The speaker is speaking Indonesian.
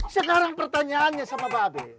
sekarang pertanyaannya sama mba be